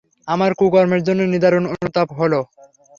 আমার কুকর্মের জন্যে নিদারুণ অনুতাপ হল।